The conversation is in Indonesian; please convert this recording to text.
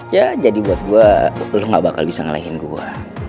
ya jadi buat gue lo gak bakal bisa ngalahin gue